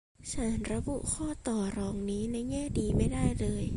ฉันระบุข้อต่อรองนี้ในแง่ดีไม่ได้เลย